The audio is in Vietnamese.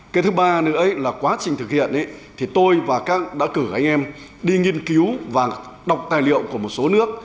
cái thứ ba nữa là quá trình thực hiện thì tôi và các đã cử anh em đi nghiên cứu và đọc tài liệu của một số nước